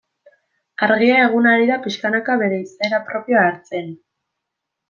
Argia eguna ari da pixkanaka bere izaera propioa hartzen.